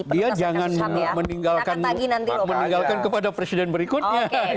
dia jangan meninggalkan kepada presiden berikutnya